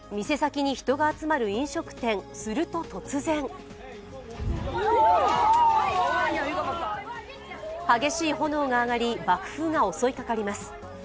店先に人が集まる飲食店、すると突然激しい炎が上がり、爆風が襲いかかります。